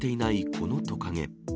このトカゲ。